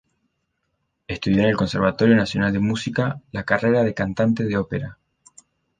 Estudió en el conservatorio Nacional de Música, la carrera de Cantante de Ópera.